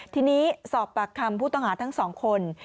ทีนี้สอบปากคำผู้ต้องหาทั้งสองคน